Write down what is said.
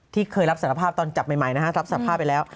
ที่เคยรับสารภาพตอนจับใหม่นะฮะรับสารภาพไปแล้ว